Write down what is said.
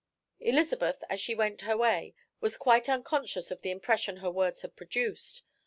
Elizabeth, as she went her way, was quite unconscious of the impression her words had produced.